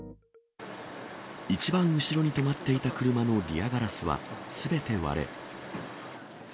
一番後ろに止まっていた車のリアガラスはすべて割れ。